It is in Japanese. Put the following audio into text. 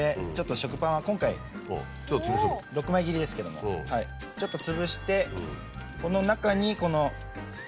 食パンは今回６枚切りですけどもちょっとつぶしてこの中にこの。